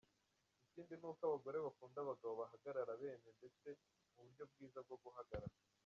Ikindi ni uko abagore bakunda abagabo bahagarara bemye ndetse mu buryo bwiza bwo guhagarara.